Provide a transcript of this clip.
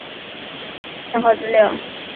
参考资料